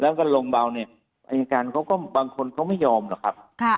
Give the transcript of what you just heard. แล้วก็โรงบาลบางคนเขาไม่ยอมหรอกครับ